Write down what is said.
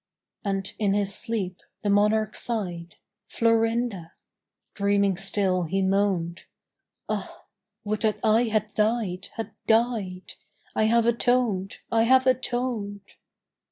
And in his sleep the monarch sighed, "Florinda!" Dreaming still he moaned, "Ah, would that I had died, had died! I have atoned! I have atoned!"...